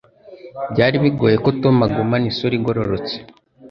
Byari bigoye ko Tom agumana isura igororotse.